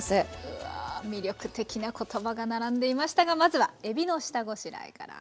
うわ魅力的な言葉が並んでいましたがまずはえびの下ごしらえから。